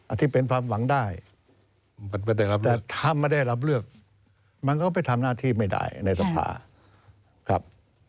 ที่เป็นความหวังได้ถ้าไม่ได้รับเลือกมันก็ไปทำหน้าที่ไม่ได้ในสภาครับ